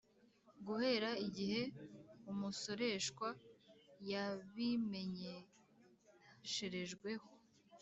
guhera igihe umusoreshwa yabimenyesherejwe ho